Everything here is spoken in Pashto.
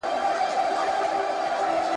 هغه وويل چي په دين کي جبر نسته.